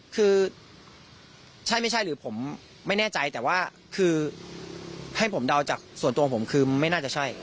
คือใช่ไม่ใช่หรือผมไม่แน่ใจแต่ว่าคือให้ผมเดาจากส่วนตัวของผมคือไม่น่าจะใช่